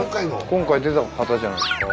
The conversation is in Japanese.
今回出た方じゃないですか？